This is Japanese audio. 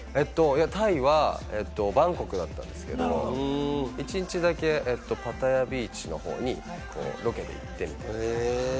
タイはバンコクだったんですけれども、１日だけ、パタヤビーチの方にロケで行って。